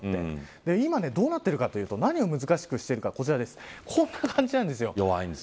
今、どうなっているかというと何が難しくしてるかというとこんな感じです。